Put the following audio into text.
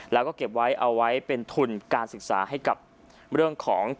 แล้วก็เก็บไว้เอาไว้เป็นทุนการศึกษาให้กับเรื่องของ